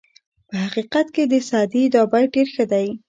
په حقیقت کې د سعدي دا بیت ډېر ښه دی.